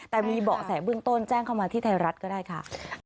แต่มีเบาะแสเบื้องต้นแจ้งเข้ามาที่ไทยรัฐก็ได้ค่ะ